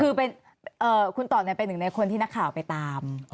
คือคุณต่อเป็นหนึ่งในคนที่นักข่าวไปตาม